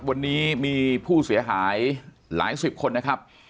วันนี้มีผู้เสียหายหลายสิบคนนะครับ